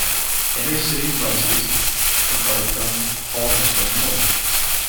Inter-City buses depart from Palmerston North.